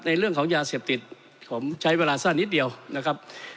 เรื่องของยาเสพติดผมใช้เวลาสั้นนิดเดียวนะครับ